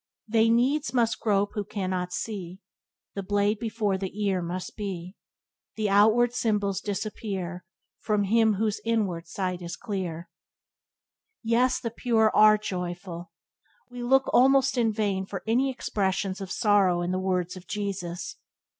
"They needs must grope who cannot see, The blade before the ear must be; The outward symbols disappear From him whose inward sight is clear." Yes; the pure are the joyful. We look almost in vain for any expressions of sorrow in the words of Jesus.